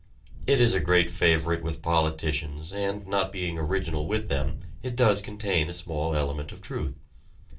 It is a great favorite with politicians and not being original with them it does contain a small element of truth.